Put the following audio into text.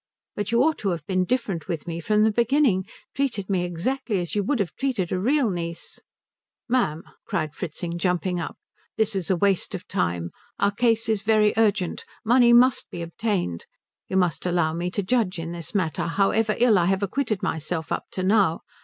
But you ought to have been different with me from the beginning treated me exactly as you would have treated a real niece " "Ma'am," cried Fritzing, jumping up, "this is waste of time. Our case is very urgent. Money must be obtained. You must allow me to judge in this matter, however ill I have acquitted myself up to now.